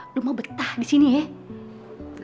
udah mau betah di sini ya